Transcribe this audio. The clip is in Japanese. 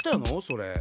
それ。